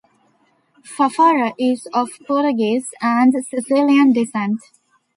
Fafara is of Portuguese and Sicilian descent.